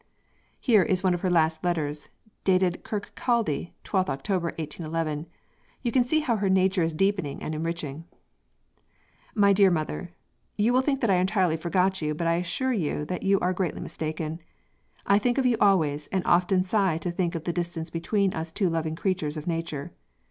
Here is one of her last letters, dated Kirkcaldy, 12th October, 1811. You can see how her nature is deepening and enriching: MY DEAR MOTHER You will think that I entirely forget you but I assure you that you are greatly mistaken. I think of you always and often sigh to think of the distance between us two loving creatures of nature.